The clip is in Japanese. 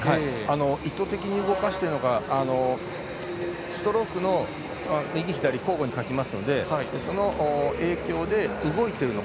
意図的に動かしているのかストロークは右左、交互にかきますのでその影響で動いているのか。